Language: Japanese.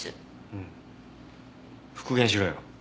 うん復元しろよ。